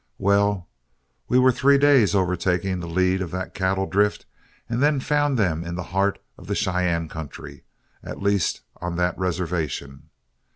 "Well, we were three days overtaking the lead of that cattle drift, and then found them in the heart of the Cheyenne country, at least on that reservation.